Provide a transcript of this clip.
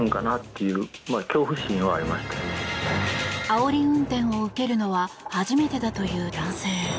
あおり運転を受けるのは初めてだという男性。